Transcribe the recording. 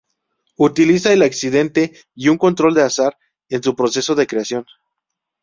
Utiliza el accidente y el control del azar en su proceso de creación.